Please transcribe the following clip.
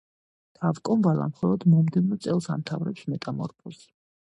თავკომბალა მხოლოდ მომდევნო წელს ამთავრებს მეტამორფოზს.